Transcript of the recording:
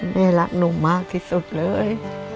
แม่รักหนูมากที่สุดเลย